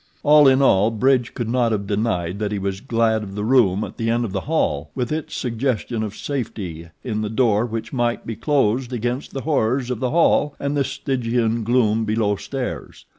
All in all Bridge could not have denied that he was glad of the room at the end of the hall with its suggestion of safety in the door which might be closed against the horrors of the hall and the Stygian gloom below stairs.